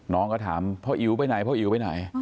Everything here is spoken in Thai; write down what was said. น้องก็ถามพ่ออิ๋วไปไหนพ่ออิ๋วไปไหน